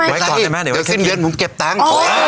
เดี๋ยวสิ้นเดือนผมเก็บตังค์